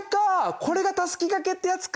これがたすきがけってやつか。